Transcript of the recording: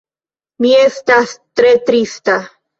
Mi estas tre trista.